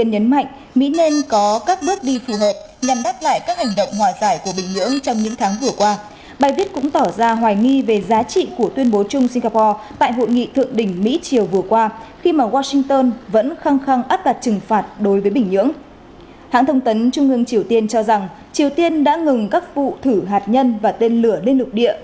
hãng thông tấn trung ương triều tiên cho rằng triều tiên đã ngừng các vụ thử hạt nhân và tên lửa lên lục địa